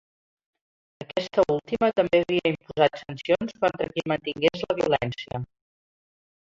Aquesta última també havia imposat sancions contra qui mantingués la violència.